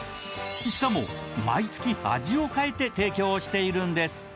しかも毎月味を変えて提供しているんです